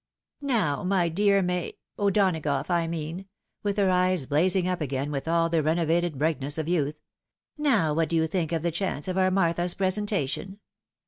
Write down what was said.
" Now, my dear Ma O'Donagough, I mean," with her eyes blazing up again with all the renovated brightness of youth, " now, what do you think of the chance of our Martha's presentation